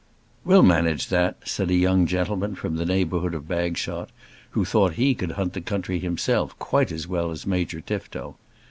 "We'll manage that," said a young gentleman from the neighbourhood of Bagshot, who thought that he could hunt the country himself quite as well as Major Tifto.